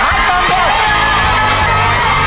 พี่ไว